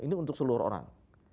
ini untuk seluruh orang